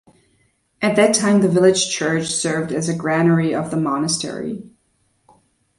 At that time the village church served as a granary of the monastery.